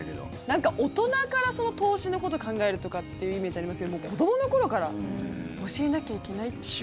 なんか大人から投資のこと考えるとかっていうイメージありますけども子どもの頃から教えなきゃいけないっていう。